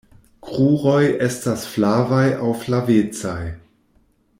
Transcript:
Kruroj estas flavaj aŭ flavecaj.